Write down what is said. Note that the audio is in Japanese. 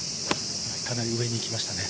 かなり上に行きましたね。